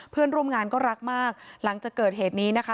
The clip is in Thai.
เพื่อนร่วมงานก็รักมากหลังจากเกิดเหตุนี้นะคะ